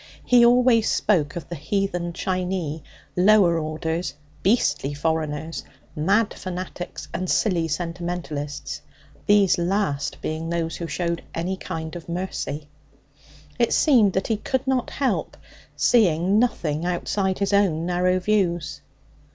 (He always spoke of the heathen Chinee, lower orders, beastly foreigners, mad fanatics, and silly sentimentalists, these last being those who showed any kind of mercy.) It seemed that he could not help seeing nothing outside his own narrow views.